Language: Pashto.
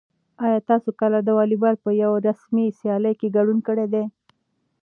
آیا تاسو کله د واليبال په یوه رسمي سیالۍ کې ګډون کړی دی؟